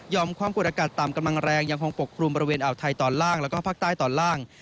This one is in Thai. ยอมความคุณอากาศตามกำลังแรงยังคงปกปรุงบริเวณอาวุธไทยตอนล่างแล้วก็ฝ้าปากตาลตอนล่าง